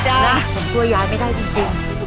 นะผมช่วยยายไม่ได้จริง